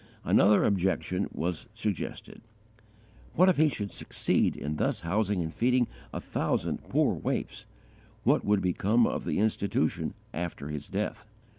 Another objection was suggested: What if he should succeed in thus housing and feeding a thousand poor waifs, what would become of the institution _after his death?